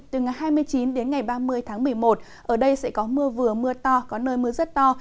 từ ngày hai mươi chín đến ngày ba mươi tháng một mươi một ở đây sẽ có mưa vừa mưa to có nơi mưa rất to